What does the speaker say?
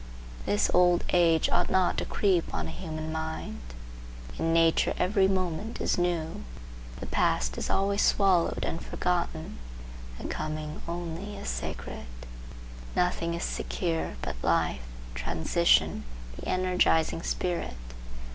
This old age ought not to creep on a human mind. In nature every moment is new; the past is always swallowed and forgotten; the coming only is sacred. Nothing is secure but life, transition, the energizing spirit.